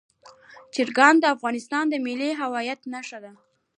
چرګان د افغانستان د ملي هویت نښه ده.